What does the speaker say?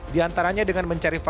di antaranya dengan mencari fasilitas